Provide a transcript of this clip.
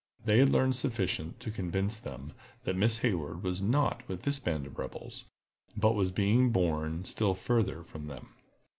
They had learned sufficient to convince them that Miss Hayward was not with this band of rebels, but was being borne still further from them.